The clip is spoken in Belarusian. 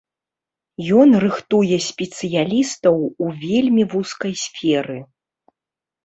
Ён рыхтуе спецыялістаў у вельмі вузкай сферы.